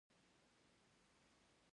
دا ټول یو ځای فرد په یو وضعیت کې اچوي.